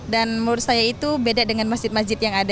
dan menurut saya itu beda dengan masjid masjid yang ada